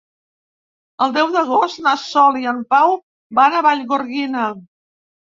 El deu d'agost na Sol i en Pau van a Vallgorguina.